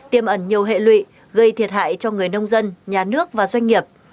tiêm ẩn nhiều hệ lụy gây thiệt hại cho người nông dân nhà nước và doanh nghiệp